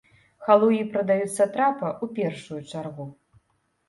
Халуі прадаюць сатрапа ў першую чаргу.